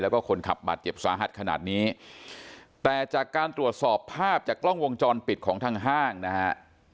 แล้วก็คนขับบาดเจ็บสาหัสขนาดนี้แต่จากการตรวจสอบภาพจากกล้องวงจรปิดของทางห้างนะฮะ